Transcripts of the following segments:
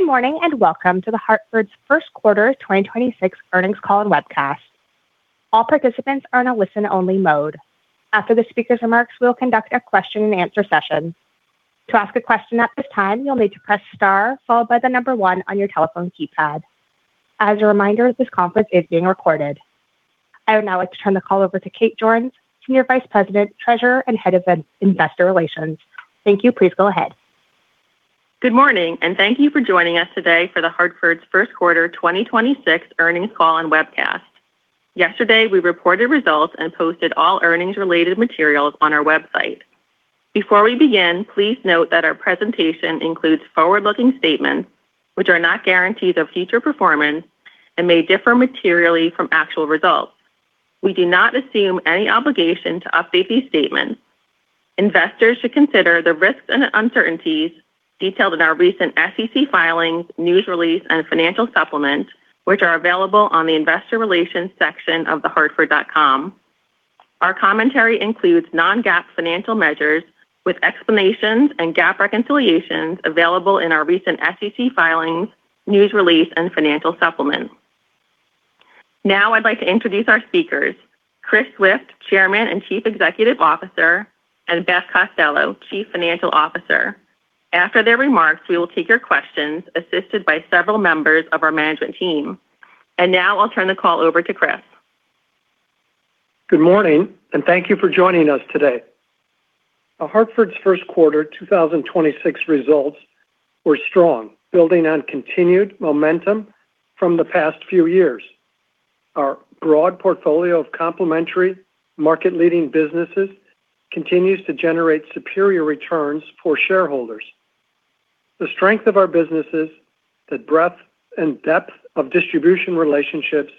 Good morning, and welcome to The Hartford's first quarter 2026 earnings call and webcast. All participants are in a listen-only mode. After the speaker's remarks, we'll conduct a question and answer session. To ask a question at this time, you'll need to press star followed by the number one on your telephone keypad. As a reminder, this conference is being recorded. I would now like to turn the call over to Kate Jordan, Senior Vice President, Treasurer, and Head of Investor Relations. Thank you. Please go ahead. Good morning, and thank you for joining us today for The Hartford's first quarter 2026 earnings call and webcast. Yesterday, we reported results and posted all earnings related materials on our website. Before we begin, please note that our presentation includes forward-looking statements, which are not guarantees of future performance and may differ materially from actual results. We do not assume any obligation to update these statements. Investors should consider the risks and uncertainties detailed in our recent SEC filings, news release, and financial supplement, which are available on the investor relations section of thehartford.com. Our commentary includes non-GAAP financial measures with explanations and GAAP reconciliations available in our recent SEC filings, news release, and financial supplement. Now I'd like to introduce our speakers, Chris Swift, Chairman and Chief Executive Officer, and Beth Costello, Chief Financial Officer. After their remarks, we will take your questions assisted by several members of our management team. Now I'll turn the call over to Chris. Good morning, and thank you for joining us today. The Hartford's first quarter 2026 results were strong, building on continued momentum from the past few years. Our broad portfolio of complementary market-leading businesses continues to generate superior returns for shareholders. The strength of our businesses, the breadth and depth of distribution relationships,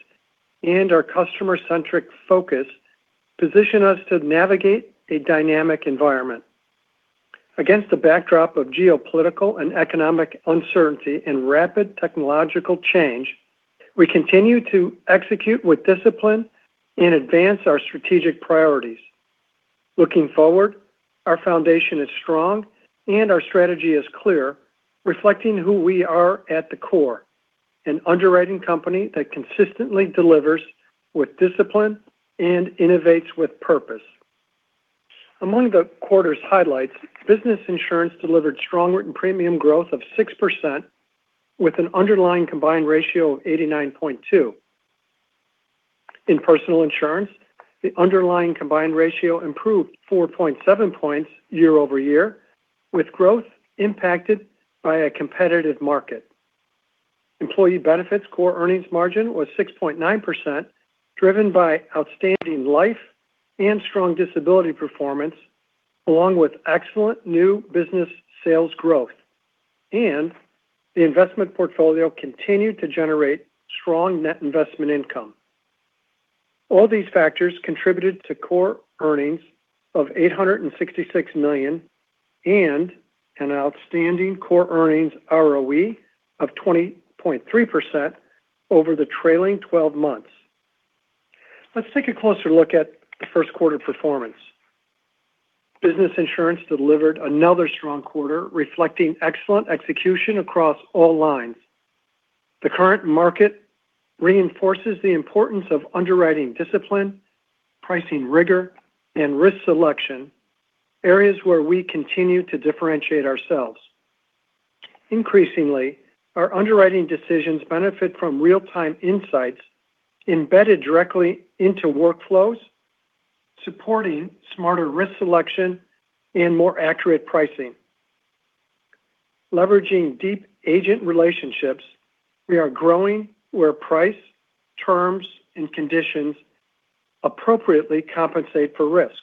and our customer-centric focus position us to navigate a dynamic environment. Against the backdrop of geopolitical and economic uncertainty and rapid technological change, we continue to execute with discipline and advance our strategic priorities. Looking forward, our foundation is strong and our strategy is clear, reflecting who we are at the core, an underwriting company that consistently delivers with discipline and innovates with purpose. Among the quarter's highlights, business insurance delivered strong written premium growth of 6% with an underlying combined ratio of 89.2. In Personal Insurance, the underlying combined ratio improved 4.7 points year-over-year, with growth impacted by a competitive market. Employee Benefits core earnings margin was 6.9%, driven by outstanding life and strong disability performance, along with excellent new business sales growth. The investment portfolio continued to generate strong net investment income. All these factors contributed to core earnings of $866 million and an outstanding core earnings ROE of 20.3% over the trailing 12 months. Let's take a closer look at the first quarter performance. Business Insurance delivered another strong quarter, reflecting excellent execution across all lines. The current market reinforces the importance of underwriting discipline, pricing rigor, and risk selection, areas where we continue to differentiate ourselves. Increasingly, our underwriting decisions benefit from real-time insights embedded directly into workflows, supporting smarter risk selection and more accurate pricing. Leveraging deep agent relationships, we are growing where price, terms, and conditions appropriately compensate for risk.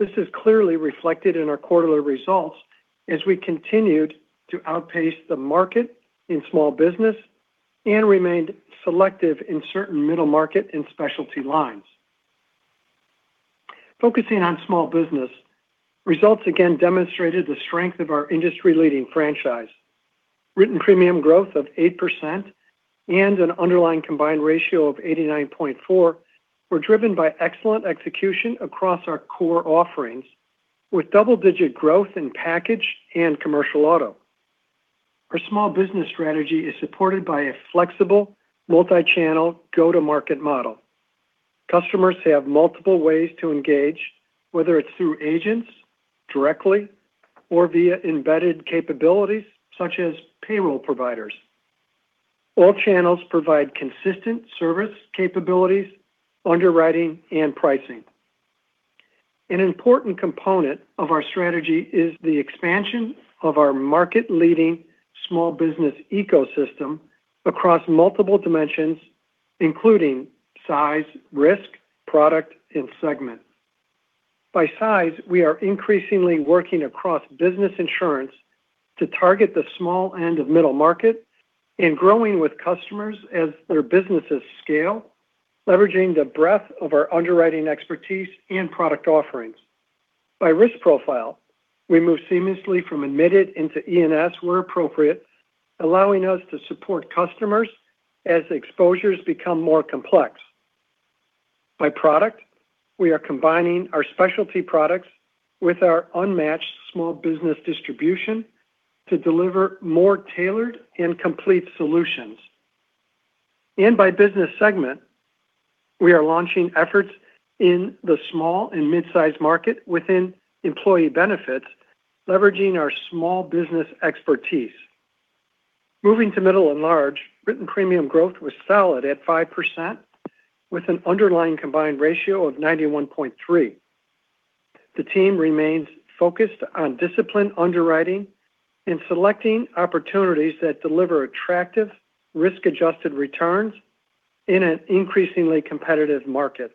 This is clearly reflected in our quarterly results as we continued to outpace the market in small business and remained selective in certain middle market and specialty lines. Focusing on small business, results again demonstrated the strength of our industry-leading franchise. Written premium growth of 8% and an underlying combined ratio of 89.4 were driven by excellent execution across our core offerings, with double-digit growth in package and commercial auto. Our small business strategy is supported by a flexible multi-channel go-to-market model. Customers have multiple ways to engage, whether it's through agents, directly, or via embedded capabilities such as payroll providers. All channels provide consistent service capabilities, underwriting, and pricing. An important component of our strategy is the expansion of our market-leading small business ecosystem across multiple dimensions, including size, risk, product, and segment. By size, we are increasingly working across business insurance to target the small end of middle market and growing with customers as their businesses scale, leveraging the breadth of our underwriting expertise and product offerings. By risk profile, we move seamlessly from admitted into E&S where appropriate, allowing us to support customers as exposures become more complex. By product, we are combining our specialty products with our unmatched small business distribution to deliver more tailored and complete solutions. By business segment, we are launching efforts in the small and mid-size market within employee benefits, leveraging our small business expertise. Moving to middle and large, written premium growth was solid at 5% with an underlying combined ratio of 91.3. The team remains focused on disciplined underwriting and selecting opportunities that deliver attractive risk-adjusted returns in an increasingly competitive market.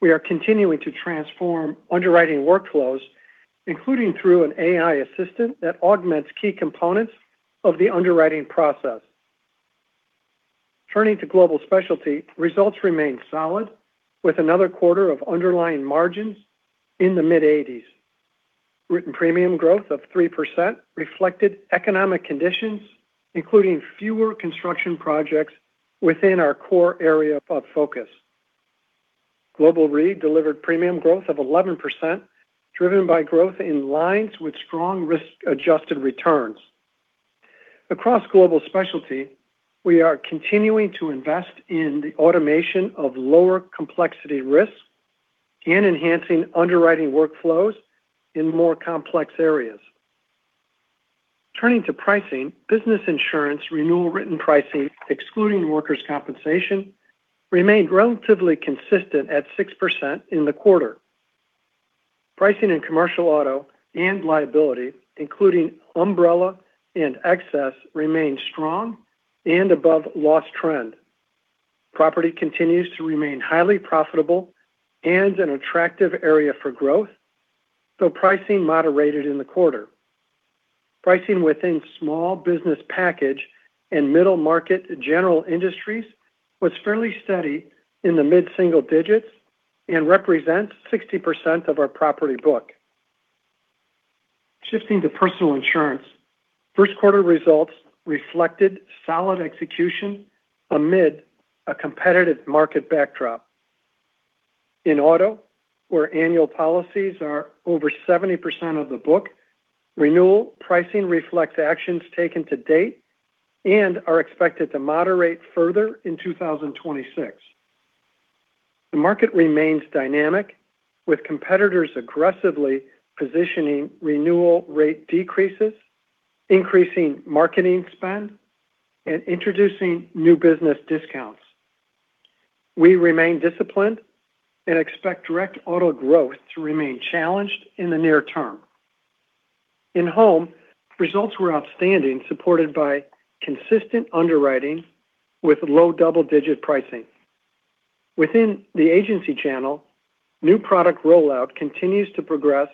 We are continuing to transform underwriting workflows, including through an AI assistant that augments key components of the underwriting process. Turning to Global Specialty, results remain solid with another quarter of underlying margins in the mid-80s. Written premium growth of 3% reflected economic conditions, including fewer construction projects within our core area of focus. Global Re delivered premium growth of 11%, driven by growth in lines with strong risk-adjusted returns. Across Global Specialty, we are continuing to invest in the automation of lower complexity risks and enhancing underwriting workflows in more complex areas. Turning to pricing, business insurance renewal written pricing, excluding workers' compensation, remained relatively consistent at 6% in the quarter. Pricing in commercial auto and liability, including umbrella and excess, remained strong and above loss trend. Property continues to remain highly profitable and an attractive area for growth, though pricing moderated in the quarter. Pricing within small business package and middle market general industries was fairly steady in the mid-single digits and represents 60% of our property book. Shifting to Personal Insurance, first quarter results reflected solid execution amid a competitive market backdrop. In auto, where annual policies are over 70% of the book, renewal pricing reflects actions taken to date and are expected to moderate further in 2026. The market remains dynamic with competitors aggressively positioning renewal rate decreases, increasing marketing spend, and introducing new business discounts. We remain disciplined and expect direct auto growth to remain challenged in the near term. In home, results were outstanding, supported by consistent underwriting with low double-digit pricing. Within the agency channel, new product rollout continues to progress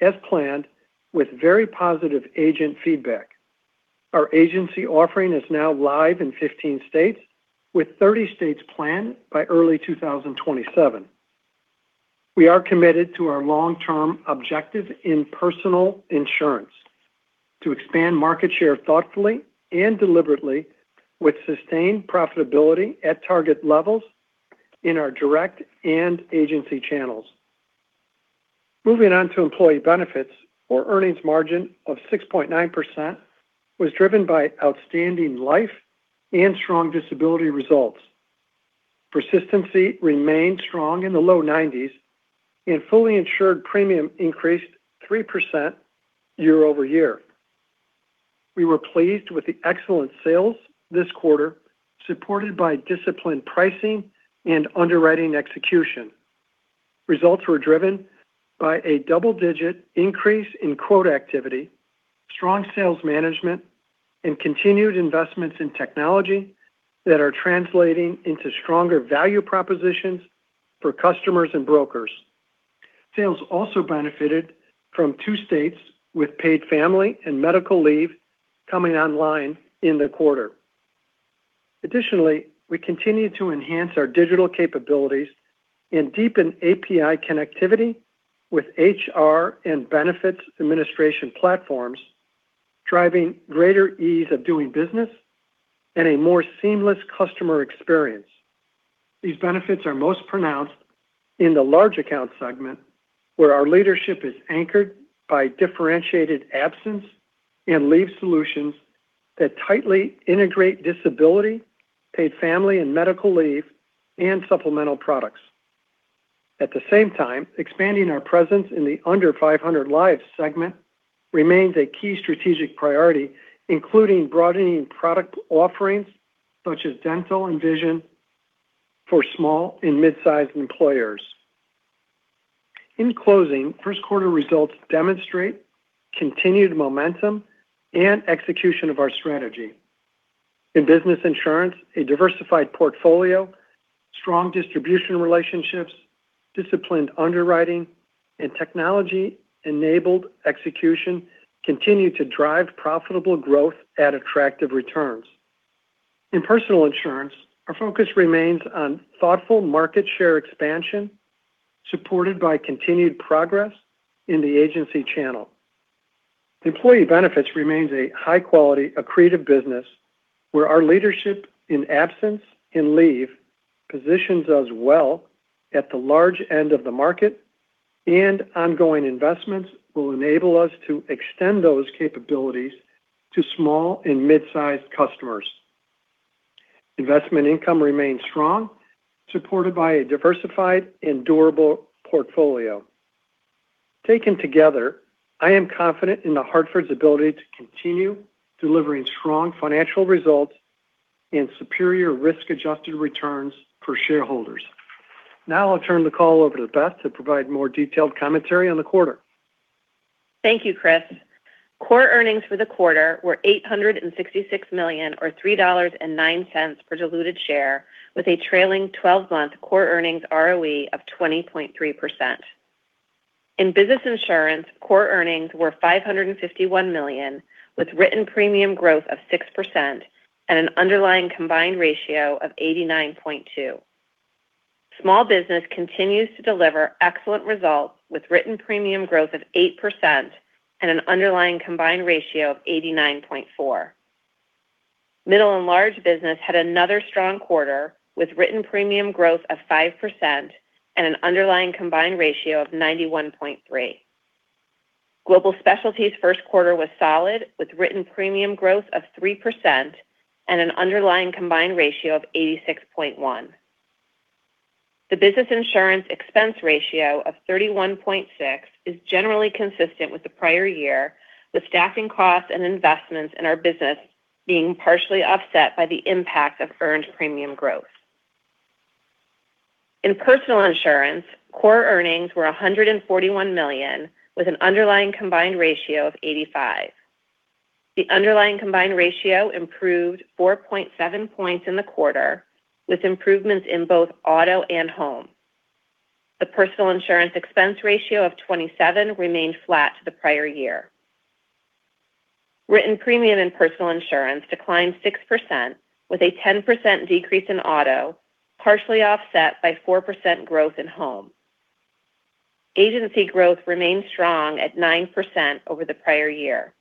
as planned with very positive agent feedback. Our agency offering is now live in 15 states, with 30 states planned by early 2027. We are committed to our long-term objective in personal insurance to expand market share thoughtfully and deliberately with sustained profitability at target levels in our direct and agency channels. Moving on to Employee Benefits, our earnings margin of 6.9% was driven by outstanding life and strong disability results. Persistency remained strong in the low 90s and fully insured premium increased 3% year-over-year. We were pleased with the excellent sales this quarter, supported by disciplined pricing and underwriting execution. Results were driven by a double-digit increase in quote activity, strong sales management, and continued investments in technology that are translating into stronger value propositions for customers and brokers. Sales also benefited from two states with Paid Family and Medical Leave coming online in the quarter. Additionally, we continue to enhance our digital capabilities and deepen API connectivity with HR and benefits administration platforms, driving greater ease of doing business and a more seamless customer experience. These benefits are most pronounced in the large account segment, where our leadership is anchored by differentiated absence and leave solutions that tightly integrate disability, Paid Family and Medical Leave, and supplemental products. At the same time, expanding our presence in the under 500 lives segment remains a key strategic priority, including broadening product offerings such as dental and vision for small and mid-sized employers. In closing, first quarter results demonstrate continued momentum and execution of our strategy. In business insurance, a diversified portfolio, strong distribution relationships, disciplined underwriting, and technology-enabled execution continue to drive profitable growth at attractive returns. In personal insurance, our focus remains on thoughtful market share expansion, supported by continued progress in the agency channel. Employee Benefits remains a high quality accretive business where our leadership in absence and leave positions us well at the large end of the market, and ongoing investments will enable us to extend those capabilities to small and mid-size customers. Investment income remains strong, supported by a diversified and durable portfolio. Taken together, I am confident in The Hartford's ability to continue delivering strong financial results and superior risk-adjusted returns for shareholders. Now I'll turn the call over to Beth to provide more detailed commentary on the quarter. Thank you, Chris. Core earnings for the quarter were $866 million, or $3.09 per diluted share, with a trailing 12-month core earnings ROE of 20.3%. In business insurance, core earnings were $551 million, with written premium growth of 6% and an underlying combined ratio of 89.2. Small business continues to deliver excellent results, with written premium growth of 8% and an underlying combined ratio of 89.4. Middle and large business had another strong quarter, with written premium growth of 5% and an underlying combined ratio of 91.3. Global Specialty's first quarter was solid, with written premium growth of 3% and an underlying combined ratio of 86.1. The business insurance expense ratio of 31.6 is generally consistent with the prior year, with staffing costs and investments in our business being partially offset by the impact of earned premium growth. In personal insurance, core earnings were $141 million, with an underlying combined ratio of 85. The underlying combined ratio improved 4.7 points in the quarter, with improvements in both auto and home. The personal insurance expense ratio of 27 remained flat to the prior year. Written premium and personal insurance declined 6%, with a 10% decrease in auto, partially offset by 4% growth in home. Agency growth remained strong at 9% over the prior year.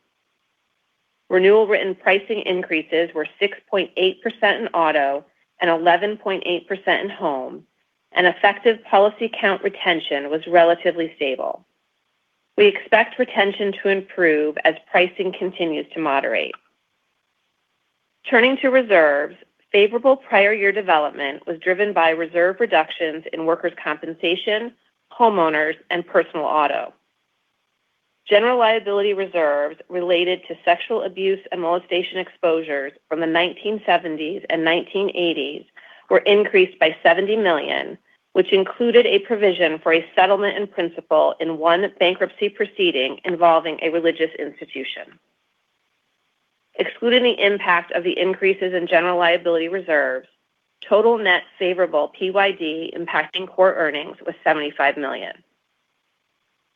Renewal written pricing increases were 6.8% in auto and 11.8% in home, and effective policy count retention was relatively stable. We expect retention to improve as pricing continues to moderate. Turning to reserves, favorable prior year development was driven by reserve reductions in workers' compensation, homeowners, and personal auto. General liability reserves related to sexual abuse and molestation exposures from the 1970s and 1980s were increased by $70 million, which included a provision for a settlement in principle in one bankruptcy proceeding involving a religious institution. Excluding the impact of the increases in general liability reserves, total net favorable PYD impacting core earnings was $75 million.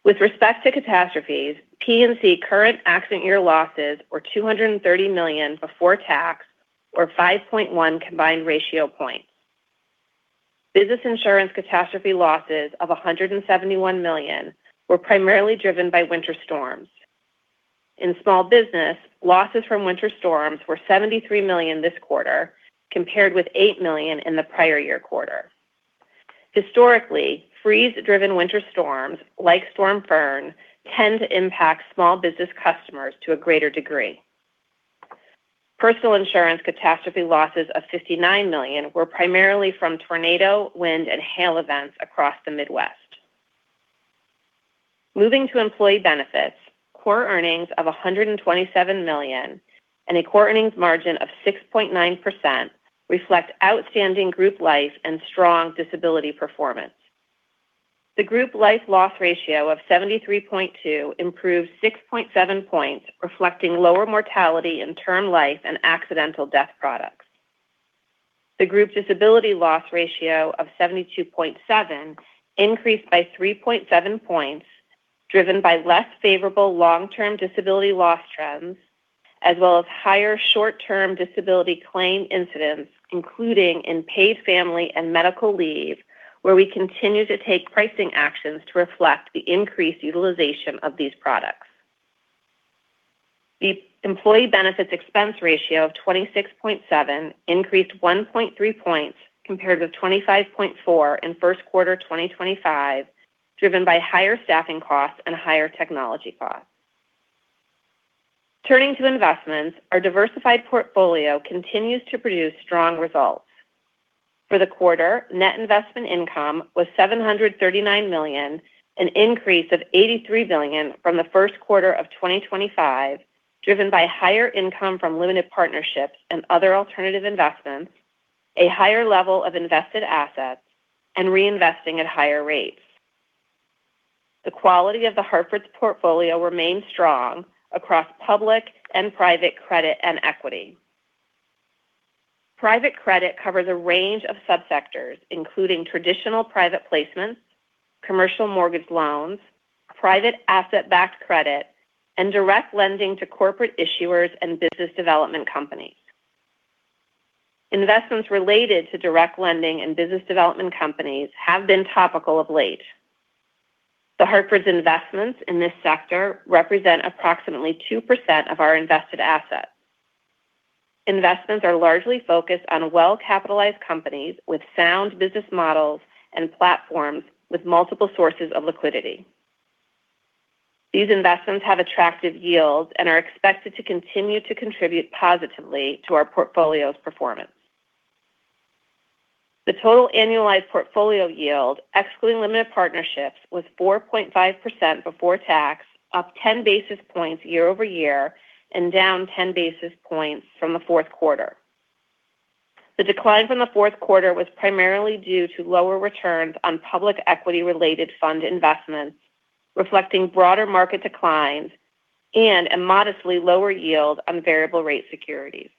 With respect to catastrophes, P&C current accident year losses were $230 million before tax, or 5.1 combined ratio points. Business insurance catastrophe losses of $171 million were primarily driven by winter storms. In small business, losses from winter storms were $73 million this quarter, compared with $8 million in the prior year quarter. Historically, freeze-driven winter storms like Winter Storm Fern tend to impact small business customers to a greater degree. Personal insurance catastrophe losses of $59 million were primarily from tornado, wind, and hail events across the Midwest. Moving to employee benefits, core earnings of $127 million and a core earnings margin of 6.9% reflect outstanding group life and strong disability performance. The group life loss ratio of 73.2 improved 6.7 points, reflecting lower mortality in term life and accidental death products. The group disability loss ratio of 72.7 increased by 3.7 points, driven by less favorable long-term disability loss trends as well as higher short-term disability claim incidents, including in Paid Family and Medical Leave, where we continue to take pricing actions to reflect the increased utilization of these products. The employee benefits expense ratio of 26.7% increased 1.3 points compared with 25.4% in first quarter 2025, driven by higher staffing costs and higher technology costs. Turning to investments, our diversified portfolio continues to produce strong results. For the quarter, net investment income was $739 million, an increase of $83 million from the first quarter of 2025, driven by higher income from limited partnerships and other alternative investments, a higher level of invested assets, and reinvesting at higher rates. The quality of The Hartford's portfolio remains strong across public and private credit and equity. Private credit covers a range of sub-sectors, including traditional private placements, commercial mortgage loans, private asset-backed credit, and direct lending to corporate issuers and business development companies. Investments related to direct lending and business development companies have been topical of late. The Hartford's investments in this sector represent approximately 2% of our invested assets. Investments are largely focused on well-capitalized companies with sound business models and platforms with multiple sources of liquidity. These investments have attractive yields and are expected to continue to contribute positively to our portfolio's performance. The total annualized portfolio yield, excluding limited partnerships, was 4.5% before tax, up 10 basis points year-over-year and down 10 basis points from the fourth quarter. The decline from the fourth quarter was primarily due to lower returns on public equity-related fund investments, reflecting broader market declines and a modestly lower yield on variable rate securities.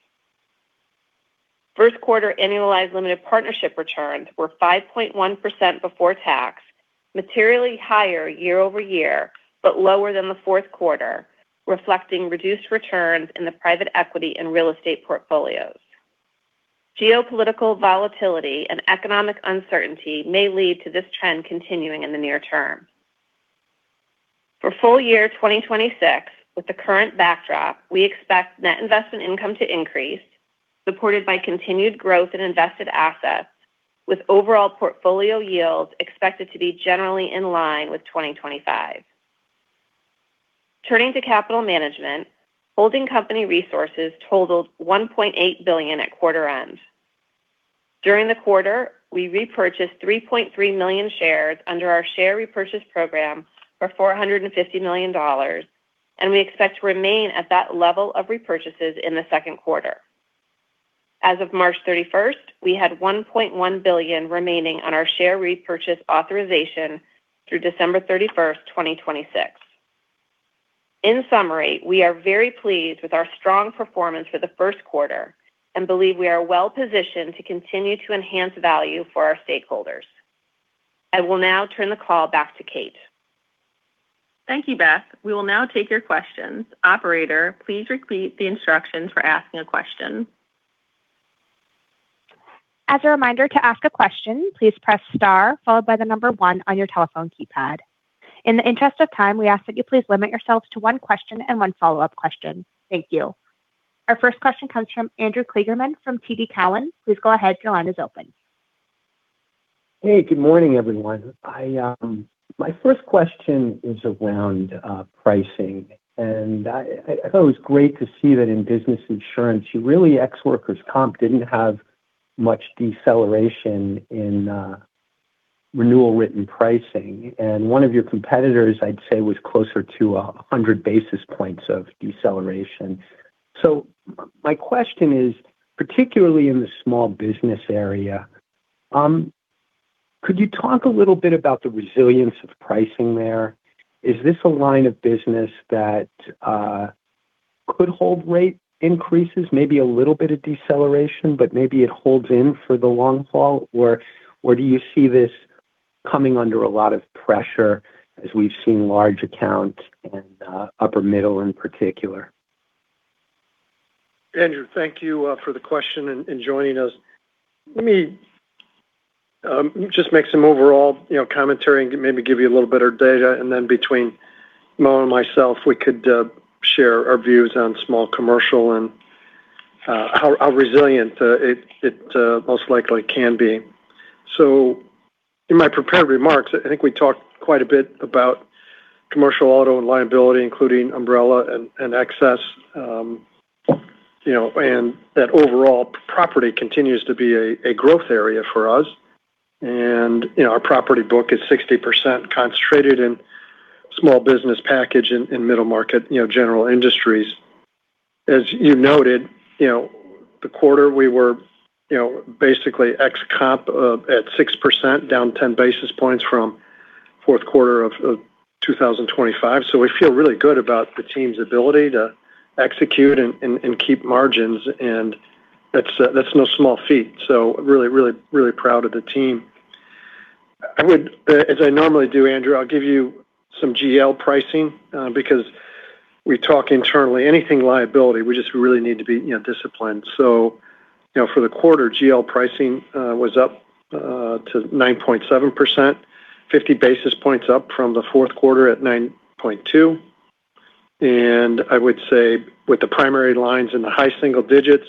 First quarter annualized limited partnership returns were 5.1% before tax, materially higher year-over-year, but lower than the fourth quarter, reflecting reduced returns in the private equity and real estate portfolios. Geopolitical volatility and economic uncertainty may lead to this trend continuing in the near term. For full year 2026, with the current backdrop, we expect net investment income to increase, supported by continued growth in invested assets, with overall portfolio yields expected to be generally in line with 2025. Turning to capital management, holding company resources totaled $1.8 billion at quarter end. During the quarter, we repurchased 3.3 million shares under our share repurchase program for $450 million, and we expect to remain at that level of repurchases in the second quarter. As of March 31st, we had $1.1 billion remaining on our share repurchase authorization through December 31st, 2026. In summary, we are very pleased with our strong performance for the first quarter and believe we are well positioned to continue to enhance value for our stakeholders. I will now turn the call back to Kate. Thank you, Beth. We will now take your questions. Operator, please repeat the instructions for asking a question. As a reminder, to ask a question, please press star followed by 1 on your telephone keypad. In the interest of time, we ask that you please limit yourselves to one question and one follow-up question. Thank you. Our first question comes from Andrew Kligerman from TD Cowen. Please go ahead. Your line is open. Hey, good morning, everyone. My first question is around pricing. I thought it was great to see that in business insurance, you really ex workers' comp didn't have much deceleration in renewal written pricing. One of your competitors, I'd say, was closer to 100 basis points of deceleration. My question is, particularly in the small business area, could you talk a little bit about the resilience of pricing there? Is this a line of business that could hold rate increases, maybe a little bit of deceleration, but maybe it holds in for the long haul, or do you see this coming under a lot of pressure as we've seen large accounts and upper middle in particular? Andrew, thank you for the question and joining us. Let me just make some overall commentary and maybe give you a little better data, and then between Mo and myself, we could share our views on small commercial and how resilient it most likely can be. In my prepared remarks, I think we talked quite a bit about commercial auto and liability, including umbrella and excess. That overall property continues to be a growth area for us. Our property book is 60% concentrated in small business package in middle market general industries. As you noted, the quarter, we were basically ex comp at 6%, down 10 basis points from fourth quarter of 2025. We feel really good about the team's ability to execute and keep margins, and that's no small feat. Really proud of the team. As I normally do, Andrew, I'll give you some GL pricing because we talk internally, anything liability, we just really need to be disciplined. For the quarter, GL pricing was up to 9.7%, 50 basis points up from the fourth quarter at 9.2. I would say with the primary lines in the high single digits,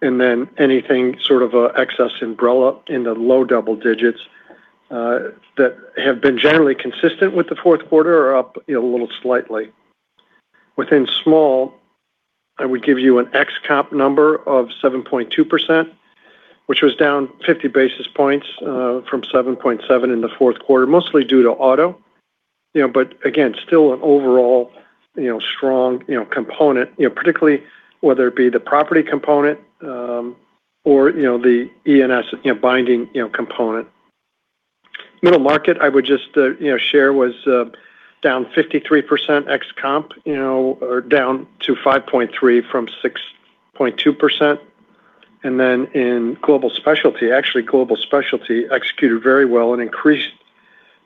and then anything sort of excess umbrella into low double digits that have been generally consistent with the fourth quarter or up a little slightly. Within small, I would give you an ex comp number of 7.2%, which was down 50 basis points from 7.7 in the fourth quarter, mostly due to auto. Again, still an overall strong component, particularly whether it be the property component or the E&S binding component. Middle market, I would just share was down to 5.3% ex comp, or down to 5.3 from 6.2%. In Global Specialty, actually, Global Specialty executed very well and increased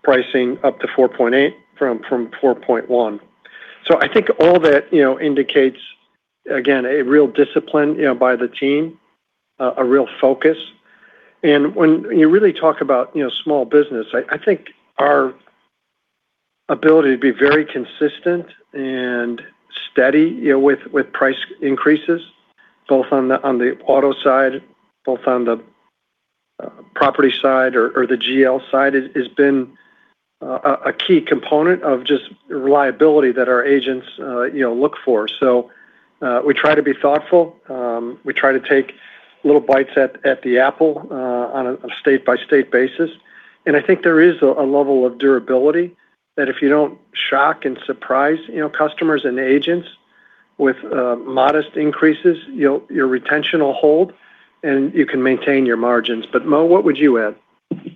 Pricing up to 4.8% from 4.1%. I think all that indicates, again, a real discipline by the team, a real focus. When you really talk about small business, I think our ability to be very consistent and steady with price increases, both on the auto side, both on the property side or the GL side, has been a key component of just reliability that our agents look for. We try to be thoughtful. We try to take little bites at the apple on a state-by-state basis. I think there is a level of durability that if you don't shock and surprise customers and agents with modest increases, your retention will hold, and you can maintain your margins. Mo, what would you add?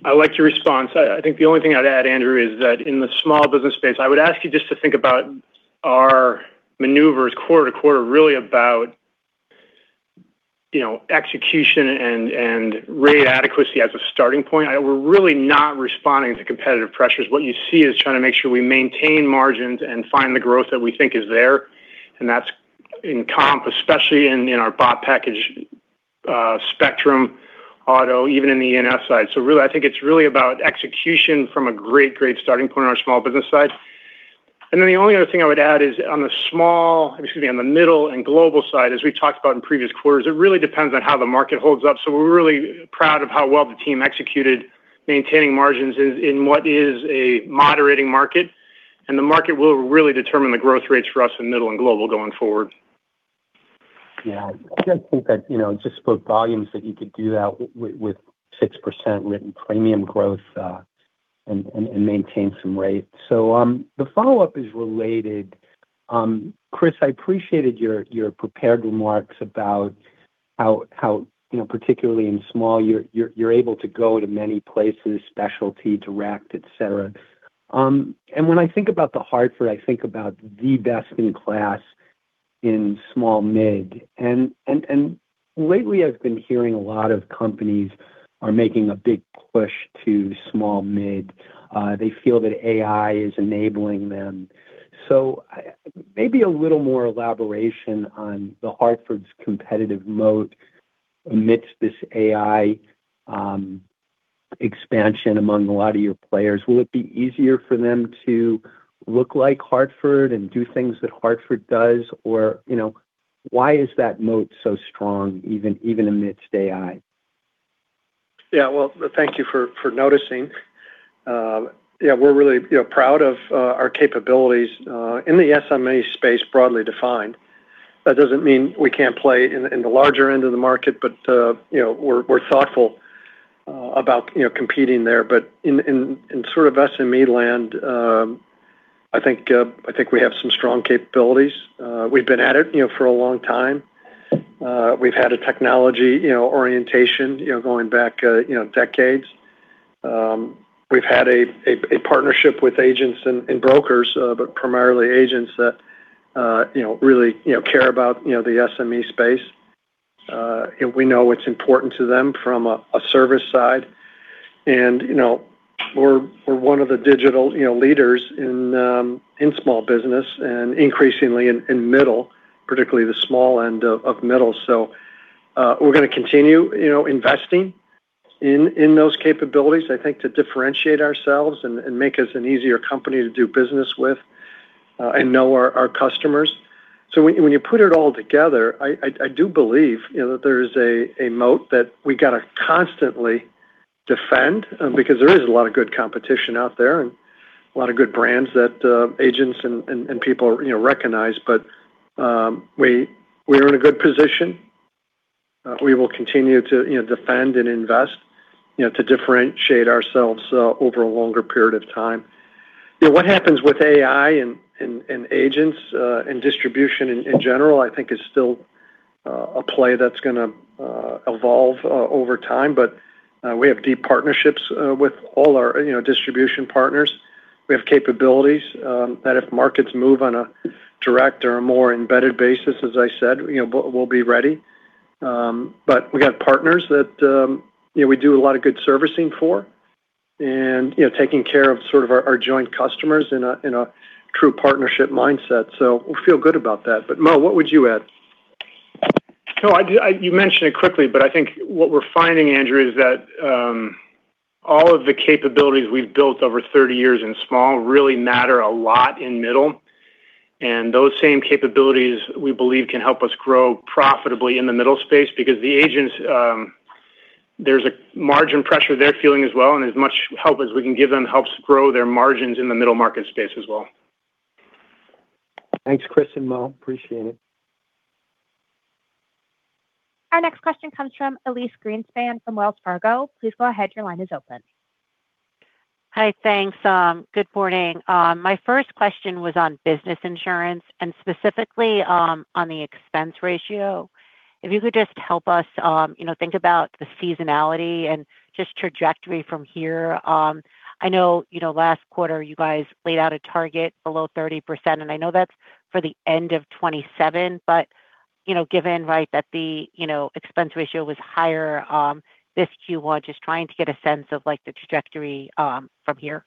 I like your response. I think the only thing I'd add, Andrew, is that in the small business space, I would ask you just to think about our maneuvers quarter to quarter, really about execution and rate adequacy as a starting point. We're really not responding to competitive pressures. What you see is trying to make sure we maintain margins and find the growth that we think is there, and that's in comp, especially in our BOP package spectrum, auto, even in the E&S side. Really, I think it's really about execution from a great starting point on our small business side. Then the only other thing I would add is on the middle and global side, as we talked about in previous quarters, it really depends on how the market holds up. We're really proud of how well the team executed maintaining margins in what is a moderating market, and the market will really determine the growth rates for us in middle and global going forward. Yeah. I think that just for volumes that you could do that with 6% written premium growth and maintain some rates. The follow-up is related. Chris, I appreciated your prepared remarks about how particularly in small you're able to go to many places, specialty, direct, etcetera. When I think about The Hartford, I think about the best in class in small/mid, and lately I've been hearing a lot of companies are making a big push to small/mid. They feel that AI is enabling them. Maybe a little more elaboration on The Hartford's competitive moat amidst this AI expansion among a lot of your players. Will it be easier for them to look like Hartford and do things that Hartford does? Or why is that moat so strong even amidst AI? Yeah. Well, thank you for noticing. Yeah, we're really proud of our capabilities in the SME space, broadly defined. That doesn't mean we can't play in the larger end of the market, but we're thoughtful about competing there. In sort of SME land, I think we have some strong capabilities. We've been at it for a long time. We've had a technology orientation going back decades. We've had a partnership with agents and brokers, but primarily agents that really care about the SME space. We know it's important to them from a service side, and we're one of the digital leaders in small business and increasingly in middle, particularly the small end of middle. We're going to continue investing in those capabilities, I think, to differentiate ourselves and make us an easier company to do business with and know our customers. When you put it all together, I do believe that there is a moat that we got to constantly defend because there is a lot of good competition out there and a lot of good brands that agents and people recognize. We are in a good position. We will continue to defend and invest to differentiate ourselves over a longer period of time. What happens with AI in agents and distribution in general, I think is still a play that's going to evolve over time. We have deep partnerships with all our distribution partners. We have capabilities that if markets move on a direct or a more embedded basis, as I said, we'll be ready. We got partners that we do a lot of good servicing for and taking care of sort of our joint customers in a true partnership mindset. We feel good about that. Mo, what would you add? No, you mentioned it quickly, but I think what we're finding, Andrew, is that all of the capabilities we've built over 30 years in small really matter a lot in middle, and those same capabilities, we believe can help us grow profitably in the middle space because the agents, there's a margin pressure they're feeling as well, and as much help as we can give them helps grow their margins in the middle market space as well. Thanks, Chris and Mo. Appreciate it. Our next question comes from Elyse Greenspan from Wells Fargo. Please go ahead. Your line is open. Hi. Thanks. Good morning. My first question was on business insurance and specifically on the expense ratio. If you could just help us think about the seasonality and just trajectory from here. I know last quarter you guys laid out a target below 30%, and I know that's for the end of 2027, but given that the expense ratio was higher this Q1, just trying to get a sense of the trajectory from here.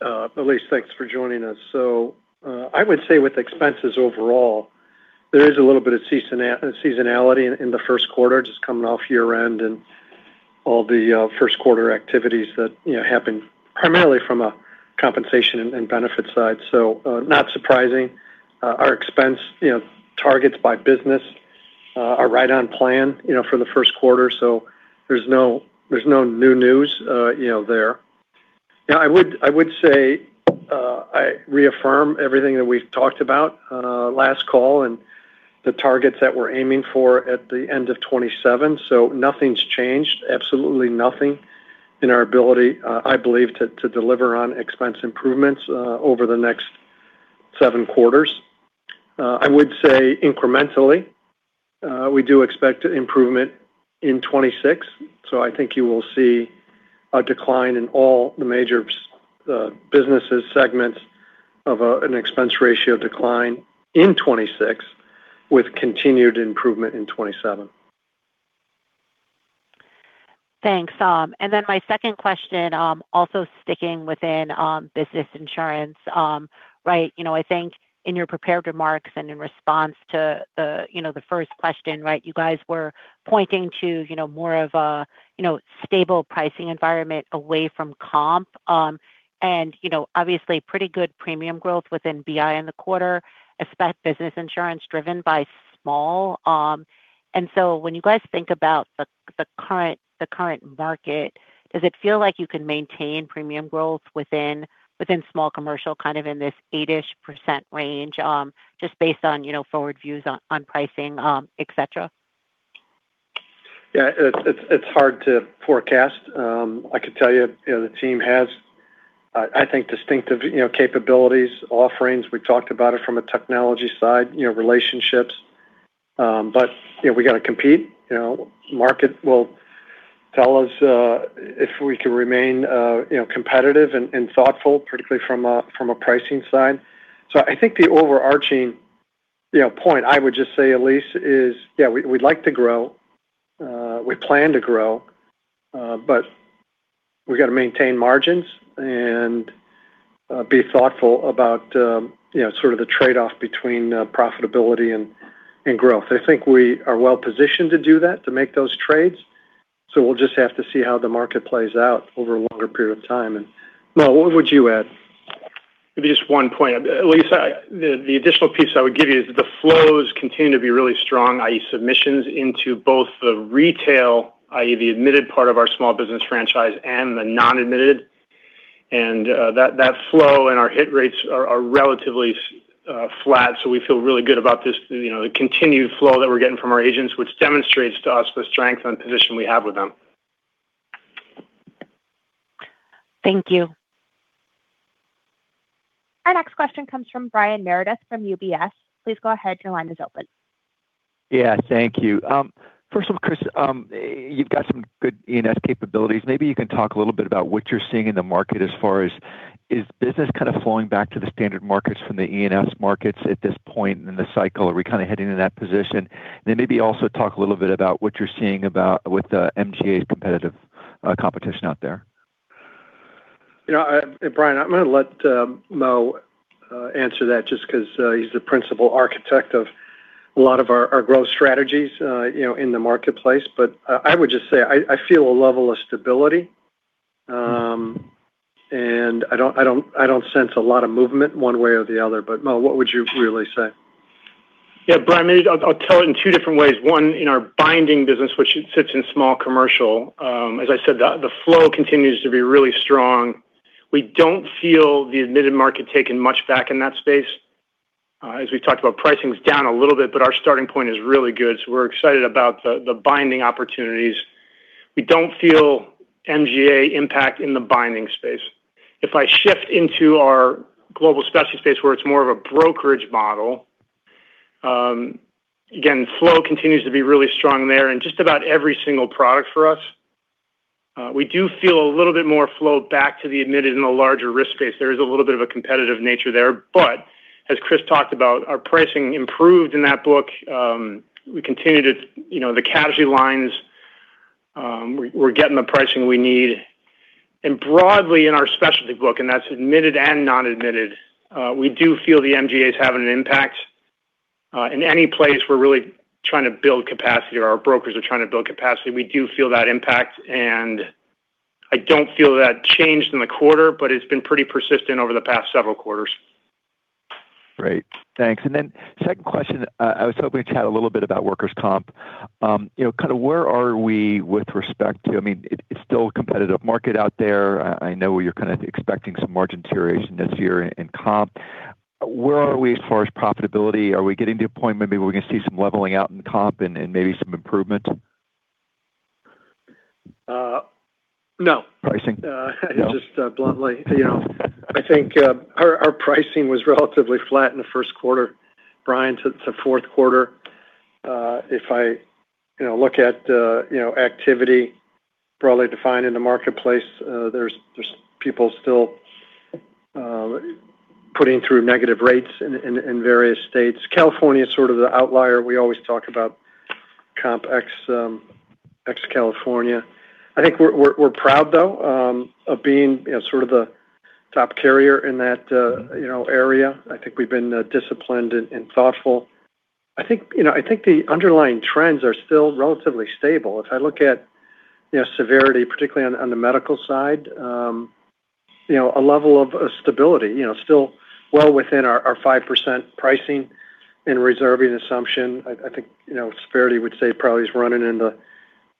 Elyse, thanks for joining us. I would say with expenses overall, there is a little bit of seasonality in the first quarter, just coming off year-end and all the first quarter activities that happen primarily from a compensation and benefit side. Not surprising. Our expense targets by business are right on plan for the first quarter, so there's no new news there. Now, I would say I reaffirm everything that we've talked about last call and the targets that we're aiming for at the end of 2027. Nothing's changed, absolutely nothing in our ability, I believe, to deliver on expense improvements over the next seven quarters. I would say incrementally, we do expect improvement in 2026, so I think you will see a decline in all the major businesses segments of an expense ratio decline in 2026 with continued improvement in 2027. Thanks. My second question, also sticking within business insurance. I think in your prepared remarks and in response to the first question, you guys were pointing to more of a stable pricing environment away from comp. Obviously pretty good premium growth within BI in the quarter, especially business insurance driven by small. When you guys think about the current market, does it feel like you can maintain premium growth within small commercial, kind of in this 8-ish% range, just based on forward views on pricing, etcetera? Yeah, it's hard to forecast. I could tell you the team has, I think, distinctive capabilities, offerings. We've talked about it from a technology side, relationships. We've got to compete. Market will tell us if we can remain competitive and thoughtful, particularly from a pricing side. I think the overarching point I would just say, Elyse, is we'd like to grow. We plan to grow, but we've got to maintain margins and be thoughtful about the trade-off between profitability and growth. I think we are well-positioned to do that, to make those trades, so we'll just have to see how the market plays out over a longer period of time. Mo, what would you add? Maybe just one point. Elyse, the additional piece I would give you is the flows continue to be really strong, i.e. submissions into both the retail, i.e. the admitted part of our small business franchise, and the non-admitted. That flow and our hit rates are relatively flat, so we feel really good about the continued flow that we're getting from our agents, which demonstrates to us the strength and position we have with them. Thank you. Our next question comes from Brian Meredith from UBS. Please go ahead. Your line is open. Yeah, thank you. First of all, Chris, you've got some good E&S capabilities. Maybe you can talk a little bit about what you're seeing in the market as far as is business kind of flowing back to the standard markets from the E&S markets at this point in the cycle? Are we kind of heading in that position? Maybe also talk a little bit about what you're seeing with the MGA competition out there. Brian, I'm going to let Mo answer that just because he's the principal architect of a lot of our growth strategies in the marketplace. I would just say I feel a level of stability, and I don't sense a lot of movement one way or the other. Mo, what would you really say? Yeah, Brian, maybe I'll tell it in two different ways. One, in our binding business, which sits in Small Commercial, as I said, the flow continues to be really strong. We don't feel the admitted market taking much back in that space. As we talked about, pricing's down a little bit, but our starting point is really good, so we're excited about the binding opportunities. We don't feel MGA impact in the binding space. If I shift into our Global Specialty space where it's more of a brokerage model, again, flow continues to be really strong there in just about every single product for us. We do feel a little bit more flow back to the admitted in the larger risk space. There is a little bit of a competitive nature there. As Chris talked about, our pricing improved in that book. The casualty lines, we're getting the pricing we need. Broadly in our specialty book, and that's admitted and non-admitted, we do feel the MGAs having an impact. In any place we're really trying to build capacity or our brokers are trying to build capacity, we do feel that impact. I don't feel that changed in the quarter, but it's been pretty persistent over the past several quarters. Great. Thanks. Second question, I was hoping to chat a little bit about workers' comp. Where are we? It's still a competitive market out there. I know you're kind of expecting some margin deterioration this year in comp. Where are we as far as profitability? Are we getting to a point maybe where we're going to see some leveling out in comp and maybe some improvement? No. Pricing? Just bluntly. I think our pricing was relatively flat in the first quarter, Brian, to fourth quarter. If I look at the activity broadly defined in the marketplace, there are people still putting through negative rates in various states. California is the outlier. We always talk about comp ex California. I think we're proud, though, of being sort of the top carrier in that area. I think we've been disciplined and thoughtful. I think the underlying trends are still relatively stable. If I look at severity, particularly on the medical side, a level of stability still well within our 5% pricing and reserving assumption. I think severity would say probably is running in the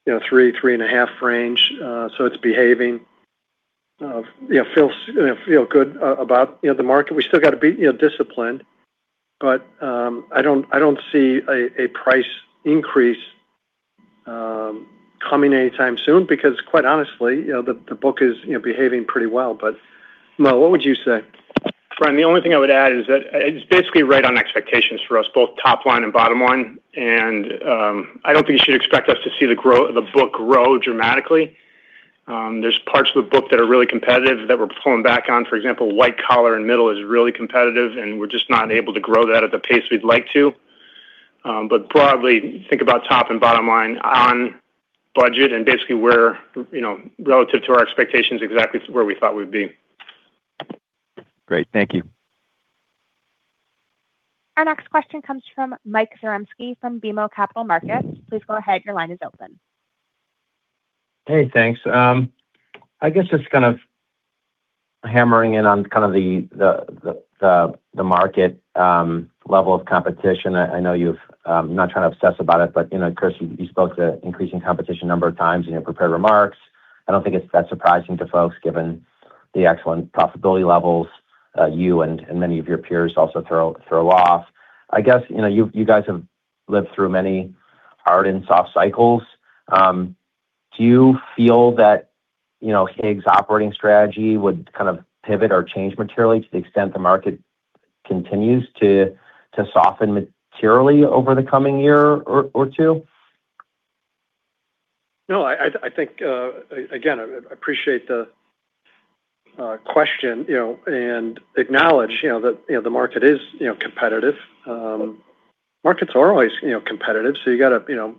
3%-3.5% range. So it's behaving. Feel good about the market. We still got to be disciplined, but I don't see a price increase coming anytime soon because quite honestly, the book is behaving pretty well. Mo, what would you say? Brian, the only thing I would add is that it's basically right on expectations for us, both top line and bottom line. I don't think you should expect us to see the book grow dramatically. There's parts of the book that are really competitive that we're pulling back on. For example, white collar and middle is really competitive, and we're just not able to grow that at the pace we'd like to. Broadly, think about top and bottom line on budget and basically we're, relative to our expectations, exactly where we thought we'd be. Great. Thank you. Our next question comes from Mike Zaremski from BMO Capital Markets. Please go ahead. Your line is open. Hey, thanks. I guess just kind of hammering in on the market level of competition. I know you're not trying to obsess about it, but Chris, you spoke to increasing competition a number of times in your prepared remarks. I don't think it's that surprising to folks given the excellent profitability levels you and many of your peers also throw off. I guess, you guys have lived through many hard and soft cycles. Do you feel that HIG's operating strategy would pivot or change materially to the extent the market continues to soften materially over the coming year or two? No, I think, again, I appreciate the question, and acknowledge that the market is competitive. Markets are always competitive, so you got to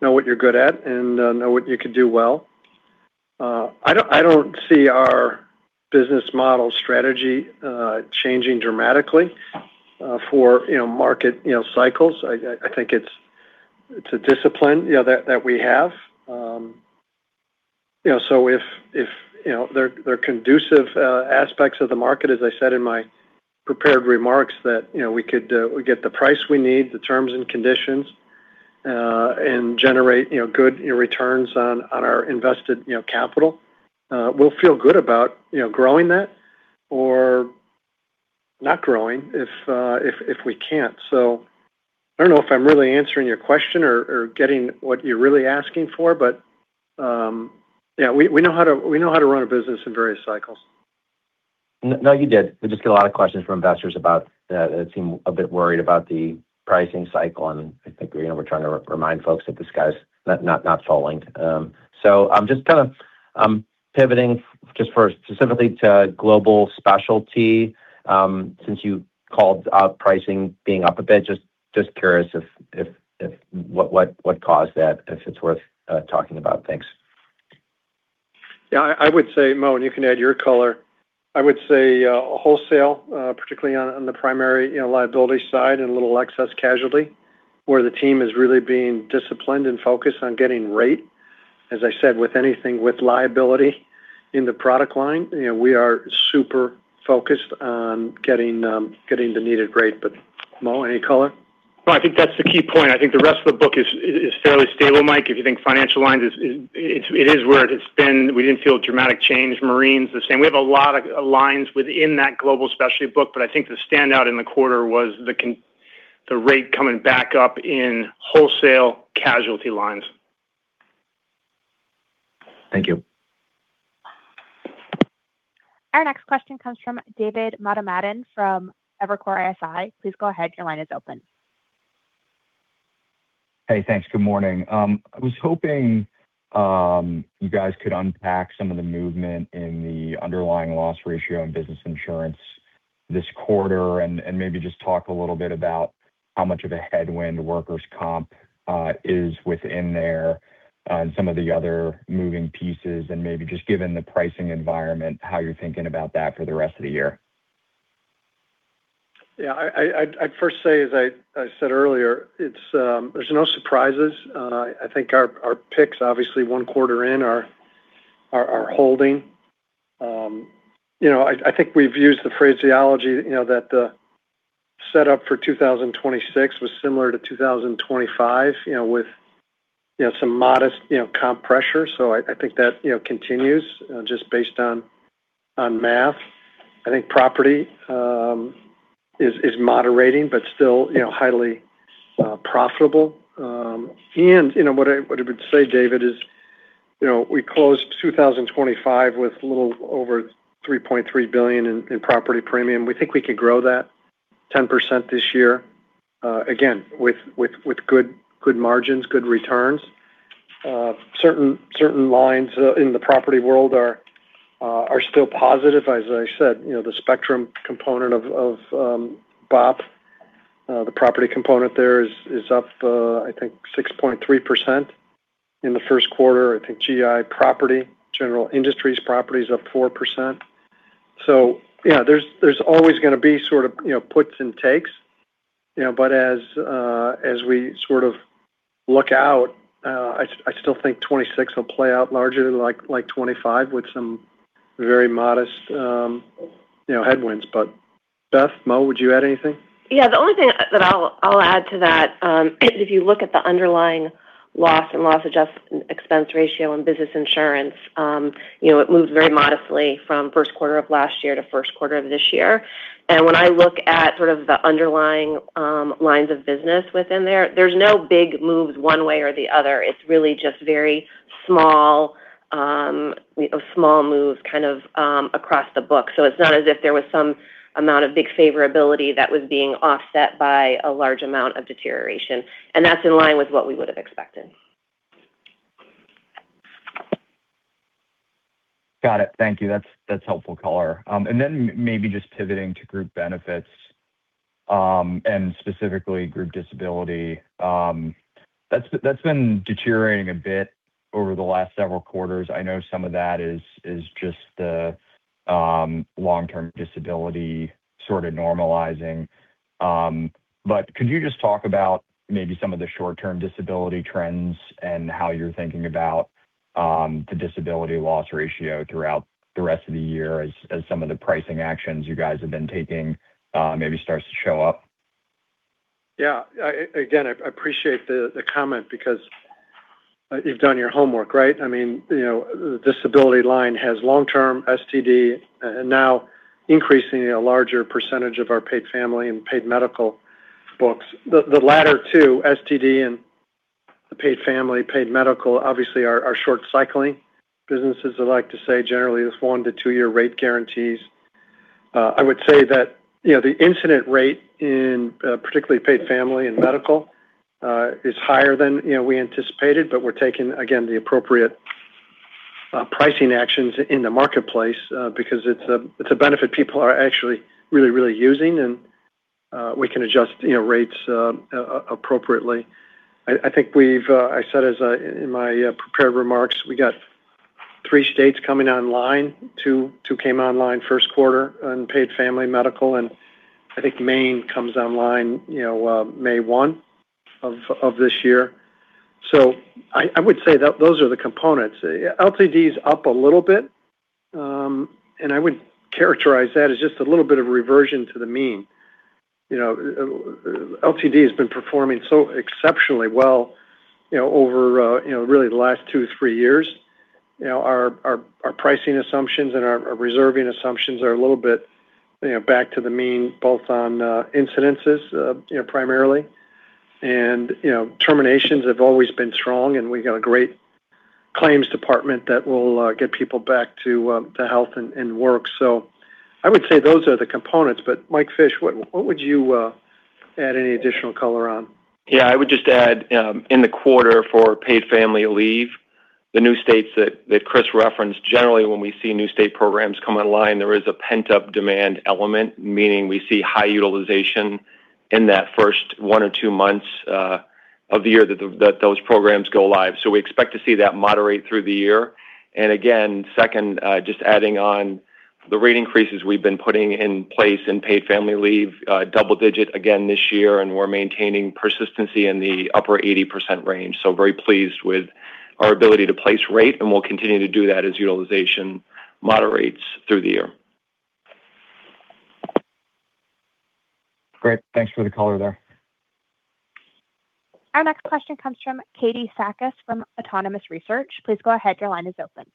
know what you're good at and know what you can do well. I don't see our business model strategy changing dramatically for market cycles. I think it's a discipline that we have. If there are conducive aspects of the market, as I said in my prepared remarks, that we get the price we need, the terms and conditions, and generate good returns on our invested capital, we'll feel good about growing that or not growing if we can't. I don't know if I'm really answering your question or getting what you're really asking for, but we know how to run a business in various cycles. No, you did. We just get a lot of questions from investors about that seem a bit worried about the pricing cycle, and I think we're trying to remind folks that the sky's not falling. I'm just kind of pivoting just for specifically to Global Specialty, since you called out pricing being up a bit. Just curious what caused that, if it's worth talking about. Thanks. Yeah, I would say, Mo, and you can add your color. I would say wholesale, particularly on the primary liability side and a little excess casualty, where the team is really being disciplined and focused on getting rate. As I said, with anything with liability in the product line, we are super focused on getting the needed rate. Mo, any color? Well, I think that's the key point. I think the rest of the book is fairly stable, Mike. If you think financial lines, it is where it's been. We didn't feel a dramatic change. Marine's the same. We have a lot of lines within that Global Specialty book, but I think the standout in the quarter was the rate coming back up in wholesale casualty lines. Thank you. Our next question comes from David Motemaden from Evercore ISI. Please go ahead. Your line is open. Hey, thanks. Good morning. I was hoping you guys could unpack some of the movement in the underlying loss ratio and business insurance this quarter and maybe just talk a little bit about how much of a headwind workers' comp is within there and some of the other moving pieces and maybe just given the pricing environment, how you're thinking about that for the rest of the year. Yeah. I'd first say, as I said earlier, there's no surprises. I think our picks, obviously, one quarter in are holding. I think we've used the phraseology that the set up for 2026 was similar to 2025, with some modest comp pressure. So I think that continues just based on math. I think property is moderating, but still highly profitable. What I would say, David, is we closed 2025 with a little over $3.3 billion in property premium. We think we can grow that 10% this year, again, with good margins, good returns. Certain lines in the property world are still positive. As I said, the spectrum component of BOP, the property component there is up 6.3% in the first quarter. I think GI property, general industries property is up 4%. So yeah, there's always going to be sort of puts and takes. As we sort of look out, I still think 2026 will play out larger like 2025 with some very modest headwinds. Beth, Mo, would you add anything? Yeah. The only thing that I'll add to that is if you look at the underlying loss and loss adjustment expense ratio in business insurance, it moved very modestly from first quarter of last year to first quarter of this year. When I look at sort of the underlying lines of business within there's no big moves one way or the other. It's really just very small moves kind of across the book. It's not as if there was some amount of big favorability that was being offset by a large amount of deterioration. That's in line with what we would've expected. Got it. Thank you. That's helpful color. Maybe just pivoting to group benefits, and specifically group disability, that's been deteriorating a bit over the last several quarters. I know some of that is just the long-term disability sort of normalizing. Could you just talk about maybe some of the short-term disability trends and how you're thinking about the disability loss ratio throughout the rest of the year as some of the pricing actions you guys have been taking maybe starts to show up? Yeah. Again, I appreciate the comment because you've done your homework, right? I mean, the disability line has long-term STD and now increasingly a larger percentage of our Paid Family and Medical books. The latter two, STD and the Paid Family and Medical, obviously are short cycling businesses, I like to say, generally with one to two-year rate guarantees. I would say that the incidence rate in particularly Paid Family and Medical, is higher than we anticipated. We're taking, again, the appropriate pricing actions in the marketplace, because it's a benefit people are actually really, really using and we can adjust rates appropriately. I think I said in my prepared remarks, we got three states coming online. Two came online first quarter in Paid Family and Medical, and I think Maine comes online May 1 of this year. I would say that those are the components. LTD's up a little bit, and I would characterize that as just a little bit of reversion to the mean. LTD has been performing so exceptionally well over really the last two, three years. Our pricing assumptions and our reserving assumptions are a little bit back to the mean, both on incidences primarily. Terminations have always been strong, and we've got a great claims department that will get people back to health and work. I would say those are the components, but Mike Fish, what would you add? Any additional color on? Yeah, I would just add, in the quarter for paid family leave, the new states that Chris referenced, generally, when we see new state programs come online, there is a pent-up demand element, meaning we see high utilization in that first one or two months of the year that those programs go live. We expect to see that moderate through the year. Again, second, just adding on the rate increases we've been putting in place in paid family leave, double-digit again this year, and we're maintaining persistency in the upper 80% range. Very pleased with our ability to place rate, and we'll continue to do that as utilization moderates through the year. Great. Thanks for the color there. Our next question comes from Katie Seckar from Autonomous Research. Please go ahead. Your line is open.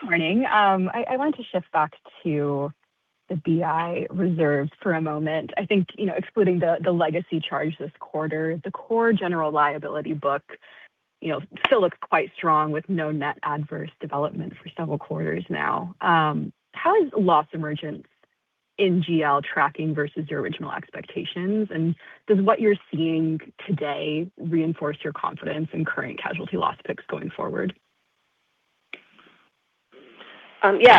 Good morning. I wanted to shift back to the BI reserves for a moment. I think excluding the legacy charge this quarter, the core general liability book still looks quite strong with no net adverse development for several quarters now. How is loss emergence in GL tracking versus your original expectations? Does what you're seeing today reinforce your confidence in current casualty loss picks going forward? Yeah.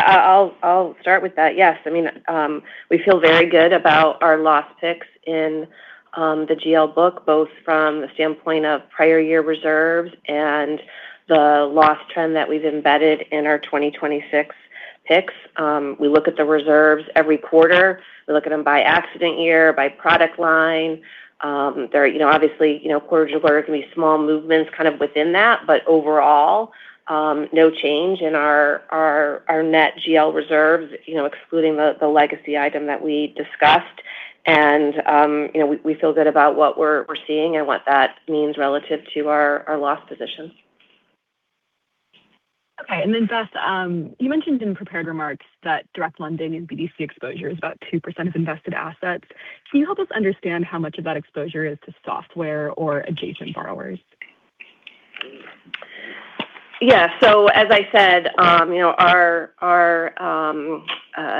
I'll start with that. Yes. We feel very good about our loss picks in the GL book, both from the standpoint of prior year reserves and the loss trend that we've embedded in our 2026 picks. We look at the reserves every quarter. We look at them by accident year, by product line. Obviously, quarter to quarter can be small movements kind of within that, but overall, no change in our net GL reserves, excluding the legacy item that we discussed. We feel good about what we're seeing and what that means relative to our loss positions. Okay. Beth, you mentioned in prepared remarks that direct lending and BDC exposure is about 2% of invested assets. Can you help us understand how much of that exposure is to software or adjacent borrowers? Yeah. As I said, our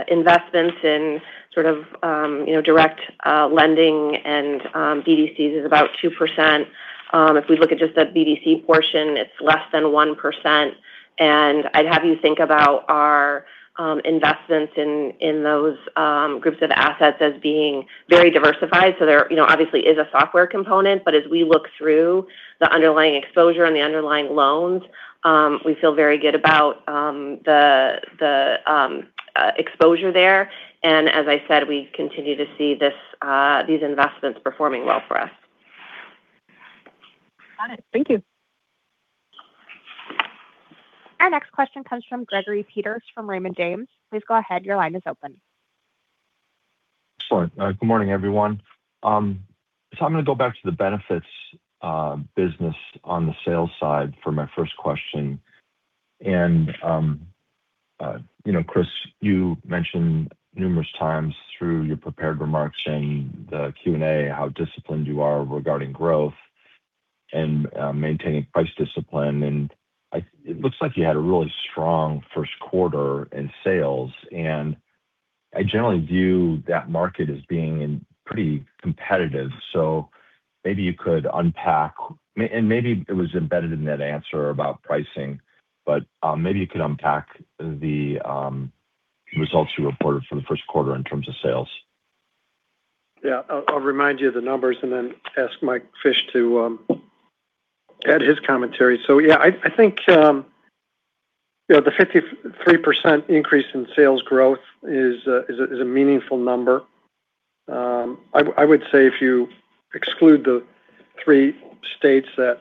investments in sort of direct lending and BDCs is about 2%. If we look at just the BDC portion, it's less than 1%. I'd have you think about our investments in those groups of assets as being very diversified. There obviously is a software component, but as we look through the underlying exposure and the underlying loans, we feel very good about the exposure there. As I said, we continue to see these investments performing well for us. Got it. Thank you. Our next question comes from Gregory Peters from Raymond James. Please go ahead. Your line is open. Excellent. Good morning, everyone. I'm going to go back to the benefits business on the sales side for my first question. Chris, you mentioned numerous times through your prepared remarks and the Q&A how disciplined you are regarding growth and maintaining price discipline, and it looks like you had a really strong first quarter in sales. I generally view that market as being pretty competitive. Maybe you could unpack. Maybe it was embedded in that answer about pricing, but maybe you could unpack the results you reported for the first quarter in terms of sales. Yeah. I'll remind you of the numbers and then ask Mike Fish to add his commentary. Yeah, I think the 53% increase in sales growth is a meaningful number. I would say if you exclude the three states that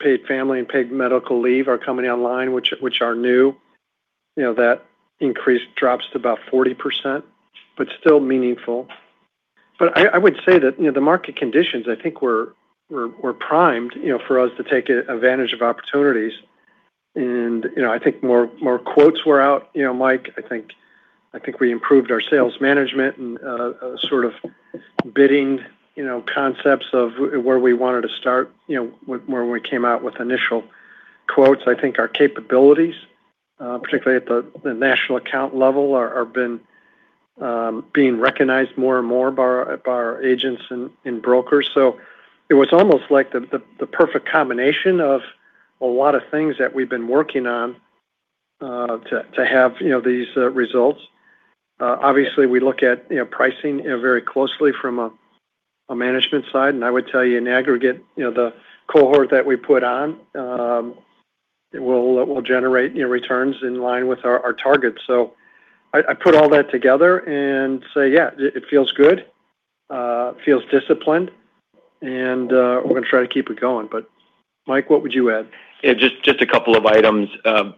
Paid Family and Medical Leave are coming online, which are new, that increase drops to about 40%, but still meaningful. I would say that the market conditions I think were primed for us to take advantage of opportunities. I think more quotes were out. Mike, I think we improved our sales management and sort of bidding concepts of where we wanted to start when we came out with initial quotes. I think our capabilities, particularly at the national account level, are being recognized more and more by our agents and brokers. It was almost like the perfect combination of a lot of things that we've been working on to have these results. Obviously, we look at pricing very closely from a management side, and I would tell you in aggregate the cohort that we put on will generate returns in line with our targets. I put all that together and say, yeah, it feels good, feels disciplined, and we're going to try to keep it going. Mike, what would you add? Yeah, just a couple of items.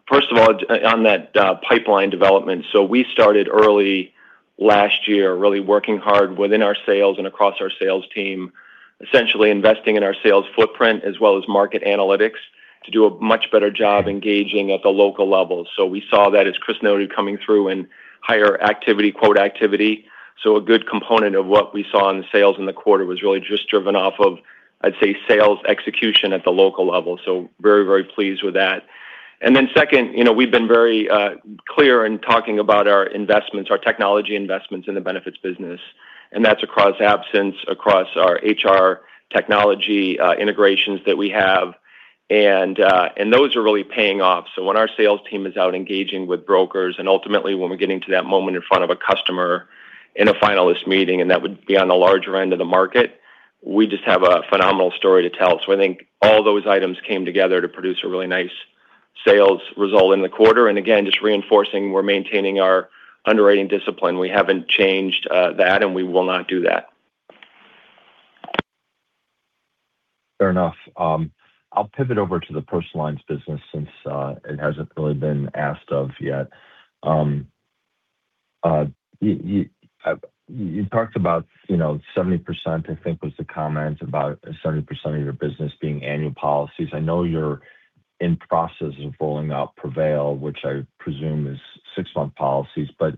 First of all, on that pipeline development, we started early last year, really working hard within our sales and across our sales team, essentially investing in our sales footprint as well as market analytics to do a much better job engaging at the local level. We saw that, as Chris noted, coming through in higher activity, quote activity. A good component of what we saw in the sales in the quarter was really just driven off of, I'd say, sales execution at the local level. Very, very pleased with that. Then second, we've been very clear in talking about our investments, our technology investments in the benefits business, and that's across absence, across our HR technology integrations that we have, and those are really paying off. When our sales team is out engaging with brokers, and ultimately when we're getting to that moment in front of a customer in a finalist meeting, and that would be on the larger end of the market, we just have a phenomenal story to tell. I think all those items came together to produce a really nice sales result in the quarter. Again, just reinforcing, we're maintaining our underwriting discipline. We haven't changed that, and we will not do that. Fair enough. I'll pivot over to the personal lines business since it hasn't really been asked of yet. You talked about 70%, I think was the comment, about 70% of your business being annual policies. I know you're in process of rolling out Prevail, which I presume is six-month policies, but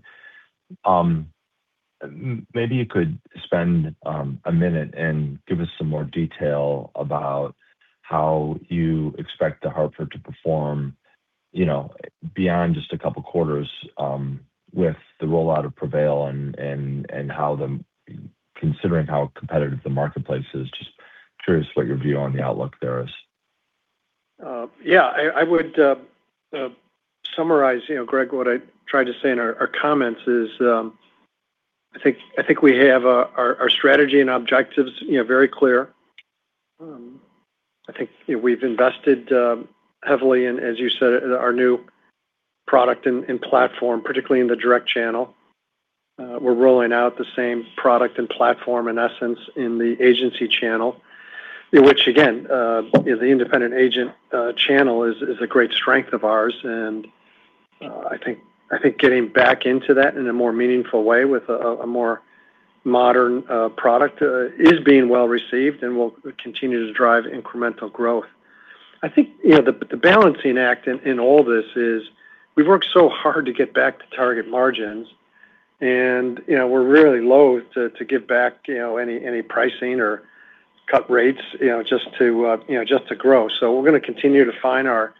maybe you could spend a minute and give us some more detail about how you expect The Hartford to perform beyond just a couple of quarters with the rollout of Prevail, and considering how competitive the marketplace is, just curious what your view on the outlook there is? Yeah. I would summarize, Greg, what I tried to say in our comments is, I think we have our strategy and objectives very clear. I think we've invested heavily in, as you said, our new product and platform, particularly in the direct channel. We're rolling out the same product and platform, in essence, in the agency channel, which again, the independent agent channel is a great strength of ours, and I think getting back into that in a more meaningful way with a more modern product is being well-received and will continue to drive incremental growth. I think, the balancing act in all this is we've worked so hard to get back to target margins and we're really loathe to give back any pricing or cut rates just to grow. We're going to continue to find our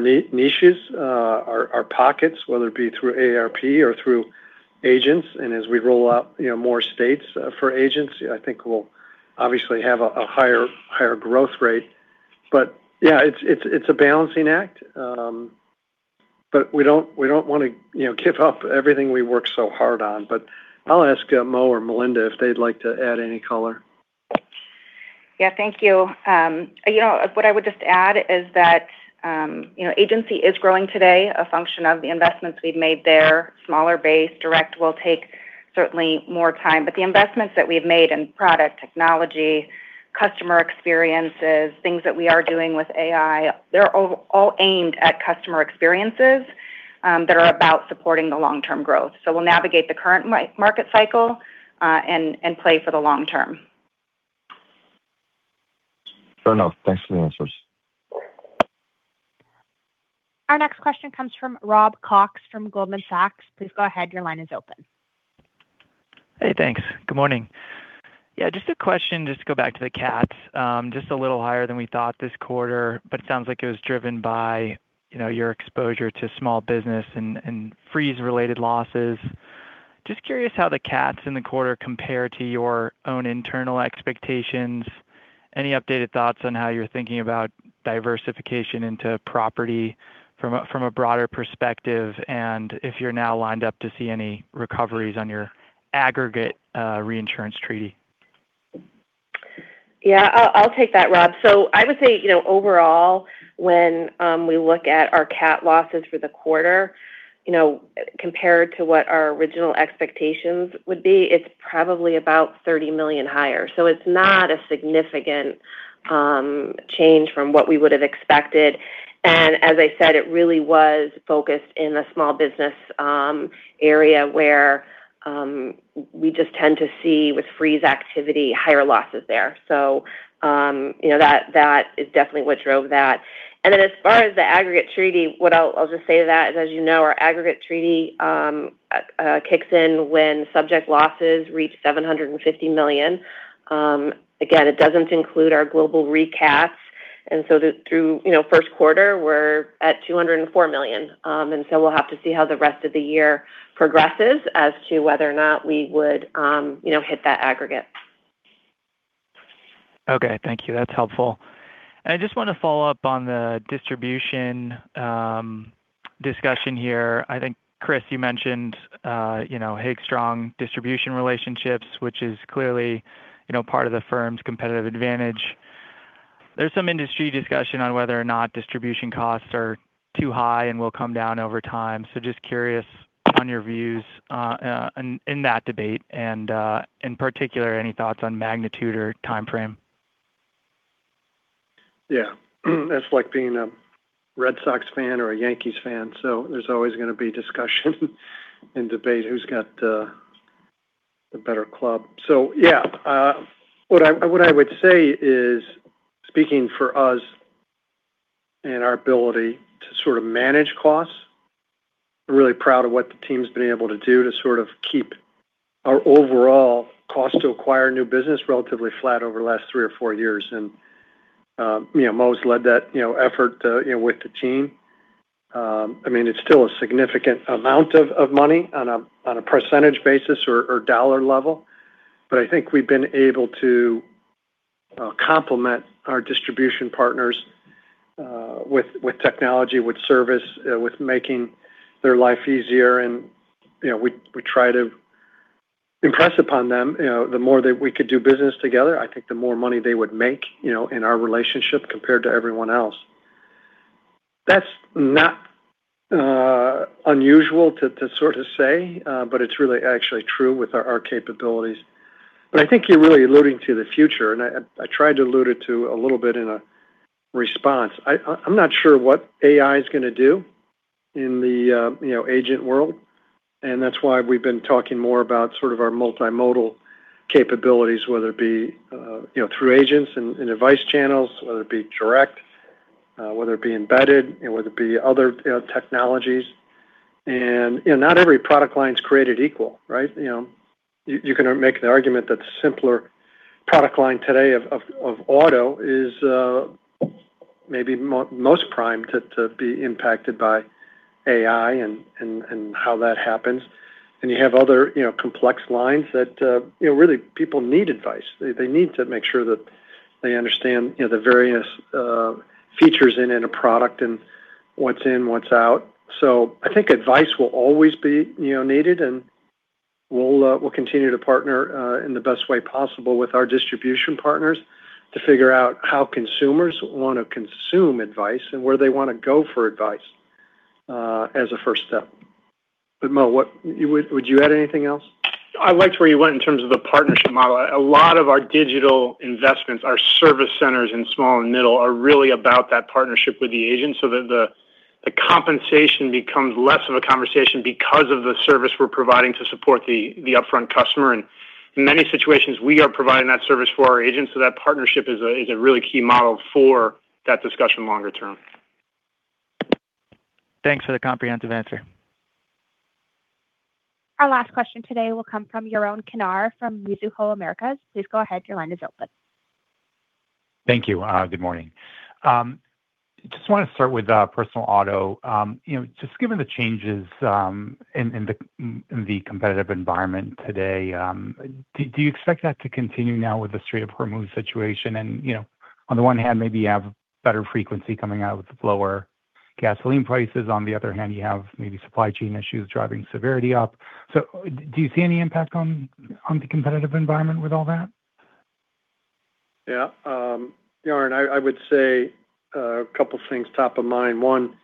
niches, our pockets, whether it be through AARP or through agents. As we roll out more states for agents, I think we'll obviously have a higher growth rate. Yeah, it's a balancing act, but we don't want to give up everything we worked so hard on. I'll ask Mo or Melinda if they'd like to add any color. Yeah. Thank you. What I would just add is that agency is growing today, a function of the investments we've made there. Smaller base direct will take certainly more time, but the investments that we've made in product technology, customer experiences, things that we are doing with AI, they're all aimed at customer experiences that are about supporting the long-term growth. We'll navigate the current market cycle and play for the long term. Fair enough. Thanks for the answers. Our next question comes from Robert Cox from Goldman Sachs. Please go ahead. Your line is open. Hey, thanks. Good morning. Yeah, just a question, just to go back to the CATs. Just a little higher than we thought this quarter, but it sounds like it was driven by your exposure to small business and freeze-related losses. Just curious how the CATs in the quarter compare to your own internal expectations. Any updated thoughts on how you're thinking about diversification into property from a broader perspective, and if you're now lined up to see any recoveries on your aggregate reinsurance treaty? Yeah, I'll take that, Rob. I would say, overall, when we look at our CAT losses for the quarter compared to what our original expectations would be, it's probably about $30 million higher. It's not a significant change from what we would have expected. As I said, it really was focused in the small business area where we just tend to see with freeze activity, higher losses there. That is definitely what drove that. As far as the aggregate treaty, what I'll just say to that is, as you know, our aggregate treaty kicks in when subject losses reach $750 million. Again, it doesn't include our Global Re CAT. Through first quarter, we're at $204 million. We'll have to see how the rest of the year progresses as to whether or not we would hit that aggregate. Okay. Thank you. That's helpful. I just want to follow up on the distribution discussion here. I think, Chris, you mentioned HIG's strong distribution relationships, which is clearly part of the firm's competitive advantage. There's some industry discussion on whether or not distribution costs are too high and will come down over time. Just curious on your views in that debate and, in particular, any thoughts on magnitude or timeframe? Yeah. That's like being a Red Sox fan or a Yankees fan. There's always going to be discussion and debate who's got the better club. Yeah. What I would say is, speaking for us and our ability to sort of manage costs, we're really proud of what the team's been able to do to sort of keep our overall cost to acquire new business relatively flat over the last three or four years. Mo's led that effort with the team. It's still a significant amount of money on a percentage basis or dollar level, but I think we've been able to complement our distribution partners with technology, with service, with making their life easier, and we try to impress upon them the more that we could do business together, I think the more money they would make in our relationship compared to everyone else. That's not unusual to sort of say, but it's really actually true with our capabilities. I think you're really alluding to the future, and I tried to allude it to a little bit in a response. I'm not sure what AI's going to do in the agent world, and that's why we've been talking more about our multimodal capabilities, whether it be through agents and advice channels, whether it be direct, whether it be embedded and whether it be other technologies. Not every product line's created equal, right? You can make the argument that the simpler product line today of auto is maybe most primed to be impacted by AI and how that happens. You have other complex lines that really people need advice. They need to make sure that they understand the various features in a product and what's in, what's out. I think advice will always be needed, and we'll continue to partner in the best way possible with our distribution partners to figure out how consumers want to consume advice and where they want to go for advice as a first step. Mo, would you add anything else? I liked where you went in terms of the partnership model. A lot of our digital investments, our service centers in small and middle, are really about that partnership with the agent so that the compensation becomes less of a conversation because of the service we're providing to support the upfront customer. In many situations, we are providing that service for our agents, so that partnership is a really key model for that discussion longer term. Thanks for the comprehensive answer. Our last question today will come from Yaron Kinar from Mizuho Americas. Please go ahead. Your line is open. Thank you. Good morning. Just want to start with personal auto. Just given the changes in the competitive environment today, do you expect that to continue now with the tariff removal situation? On the one hand, maybe you have better frequency coming out with the lower gasoline prices. On the other hand, you have maybe supply chain issues driving severity up. Do you see any impact on the competitive environment with all that? Yeah. Yaron, I would say a couple things top of mind. One,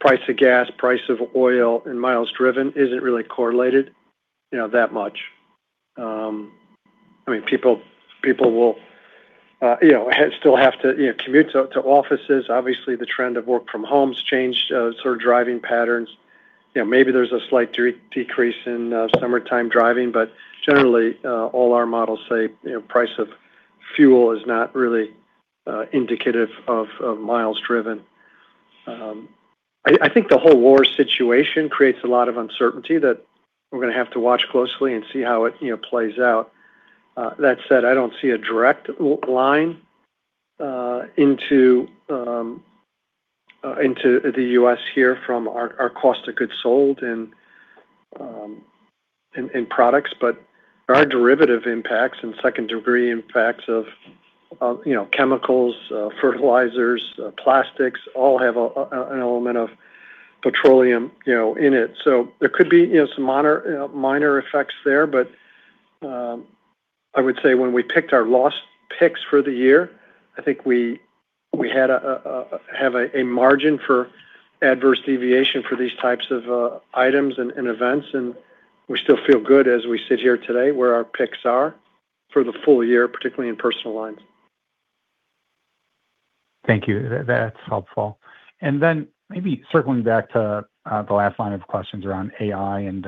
price of gas, price of oil, and miles driven isn't really correlated that much. People will still have to commute to offices. Obviously, the trend of work from home's changed sort of driving patterns. Maybe there's a slight decrease in summertime driving. But generally, all our models say price of fuel is not really indicative of miles driven. I think the whole war situation creates a lot of uncertainty that we're going to have to watch closely and see how it plays out. That said, I don't see a direct line into the U.S. here from our cost of goods sold and products, but there are derivative impacts and second-degree impacts of chemicals, fertilizers, plastics, all have an element of petroleum in it. There could be some minor effects there. I would say when we picked our loss picks for the year, I think we have a margin for adverse deviation for these types of items and events, and we still feel good as we sit here today where our picks are for the full year, particularly in personal lines. Thank you. That's helpful. Maybe circling back to the last line of questions around AI and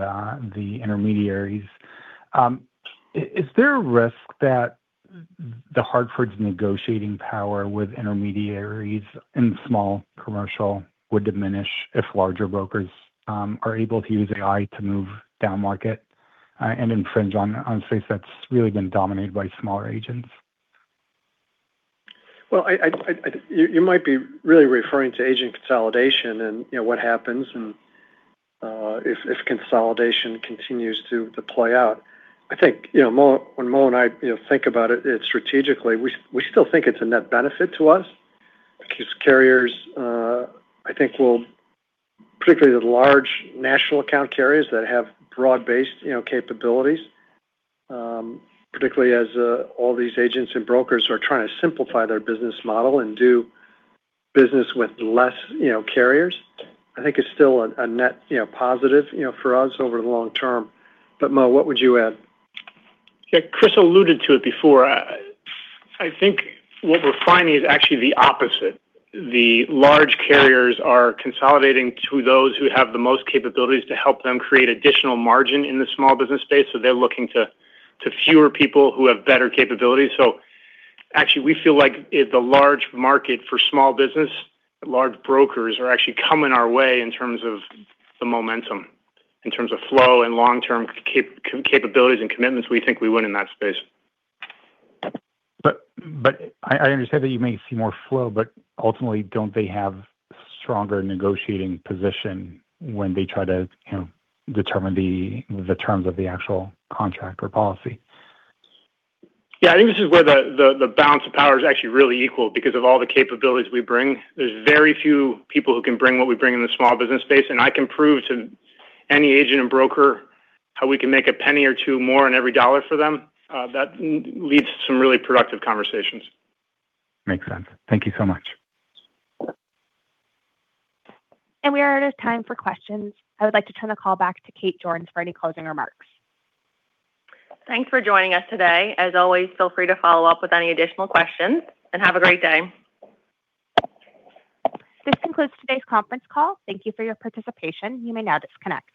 the intermediaries. Is there a risk that The Hartford's negotiating power with intermediaries in small commercial would diminish if larger brokers are able to use AI to move down market and infringe on space that's really been dominated by smaller agents? Well, you might be really referring to agent consolidation and what happens if consolidation continues to play out. I think when Mo and I think about it strategically, we still think it's a net benefit to us because carriers, I think will, particularly the large national account carriers that have broad-based capabilities, particularly as all these agents and brokers are trying to simplify their business model and do business with less carriers, I think it's still a net positive for us over the long term. Mo, what would you add? Yeah, Chris alluded to it before. I think what we're finding is actually the opposite. The large carriers are consolidating to those who have the most capabilities to help them create additional margin in the small business space. They're looking to fewer people who have better capabilities. Actually, we feel like the large market for small business, large brokers are actually coming our way in terms of the momentum. In terms of flow and long-term capabilities and commitments, we think we win in that space. I understand that you may see more flow, but ultimately, don't they have a stronger negotiating position when they try to determine the terms of the actual contract or policy? Yeah, I think this is where the balance of power is actually really equal because of all the capabilities we bring. There's very few people who can bring what we bring in the small business space, and I can prove to any agent and broker how we can make a penny or two more on every dollar for them. That leads to some really productive conversations. Makes sense. Thank you so much. We are out of time for questions. I would like to turn the call back to Kate Jordan for any closing remarks. Thanks for joining us today. As always, feel free to follow up with any additional questions, and have a great day. This concludes today's conference call. Thank you for your participation. You may now disconnect.